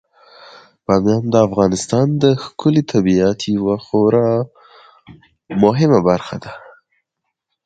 بامیان د افغانستان د ښکلي طبیعت یوه خورا مهمه برخه ده.